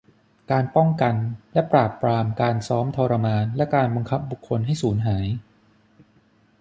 การป้องกันและปราบปรามการซ้อมทรมานและการบังคับบุคคลให้สูญหาย